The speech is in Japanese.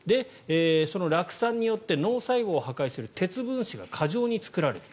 その酪酸によって脳細胞を破壊する鉄分子が過剰に作られる。